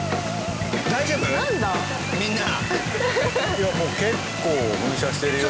いやもう結構噴射してるよ。